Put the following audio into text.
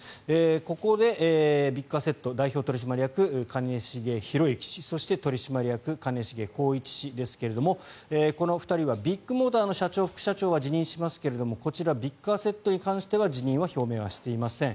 ここでビッグアセット代表取締役兼重宏行氏そして、取締役兼重宏一氏ですがこの２人はビッグモーターの社長・副社長は辞任しますけどこちらビッグアセットに関しては辞任の表明はしていません。